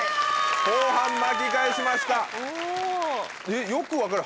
後半巻き返しました。